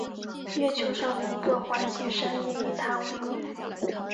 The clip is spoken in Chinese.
月球上的一个环形山也以他为名。